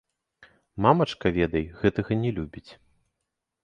Мамачка, ведай, гэтага не любіць.